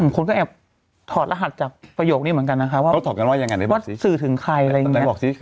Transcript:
คนก็แอบถอดรหัสจากประโยคนี้เหมือนกันนะคะว่าเขาถอดกันว่ายังไง